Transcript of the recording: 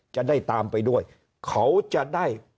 จะได้ตามไปด้วยเขาจะได้